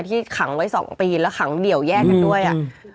ที่ขังไว้๒ปีแล้วขังเดี่ยวแยกกันด้วยอ่ะ